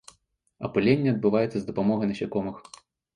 Апыленне адбываецца з дапамогай насякомых.